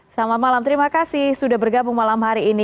selamat malam terima kasih sudah bergabung malam hari ini